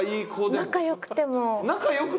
仲良くても？